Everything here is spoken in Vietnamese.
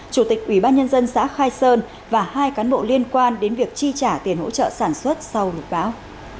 chủ tịch ủy ban nhân dân xã khai sơn và hai cán bộ liên quan đến việc chi trả tiền hỗ trợ sản xuất sau lục báo